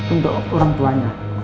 untuk orang tuanya